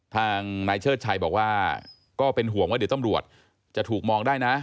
ทางนายเชิดชัยบอกว่าก็เป็นห่วงว่าเดี๋ยวตำรวจจะถูกมองได้นะ